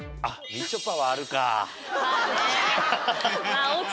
みちょぱはあるか。